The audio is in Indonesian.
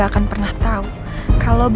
akhirnya tak ikut